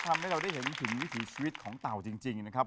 ทำให้เราได้เห็นถึงวิถีชีวิตของเต่าจริงนะครับ